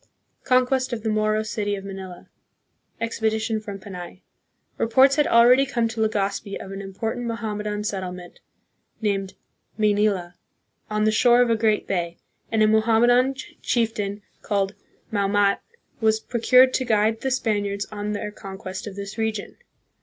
Conquest of the Moro City of Manila. Expedition from Panay. Reports had already come to Legazpi of an important Mohammedan settlement named " May nila/' on the shore of a great bay, and a Mohammedan chieftain, called Maomat, was procured to guide the Spaniards on their conquest of this region.